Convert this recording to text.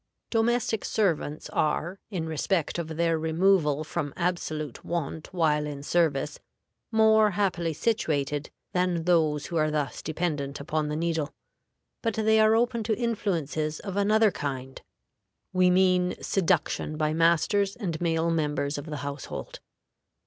DOMESTIC SERVANTS are, in respect of their removal from absolute want while in service, more happily situated than those who are thus dependent upon the needle. But they are open to influences of another kind we mean seduction by masters and male members of the household.